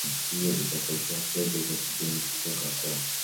hiyo itapokea fedha za kigeni kutoka kwa